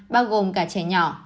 bao gồm cả trẻ nhỏ